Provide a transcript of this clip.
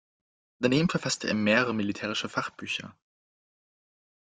Daneben verfasste er mehrere militärische Fachbücher.